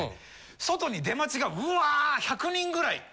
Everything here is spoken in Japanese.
外に出待ちがうわっ１００人ぐらい。